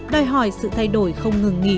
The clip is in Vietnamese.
đòi hỏi sự thay đổi không ngừng